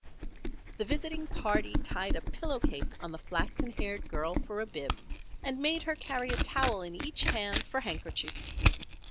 The visiting party tied a pillow case on the flaxen haired girl for a bib, and made her carry a towel in each hand for handkerchiefs.